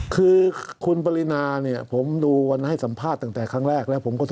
คือคุณปรินาเนี่ยผมดูวันให้สัมภาษณ์ตั้งแต่ครั้งแรกแล้วผมก็จะ